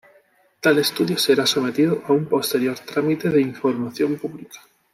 Tal estudio será sometido a un posterior trámite de información pública.